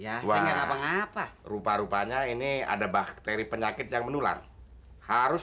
ya saya ngapa ngapa rupa rupanya ini ada bakteri penyakit yang menular harus